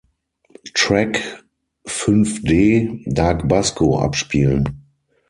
Track Fünf D "Darkbasko" abspielen.